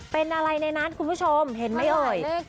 เป็นอะไรในนั้นคุณผู้ชมเห็นไหมเอ่ย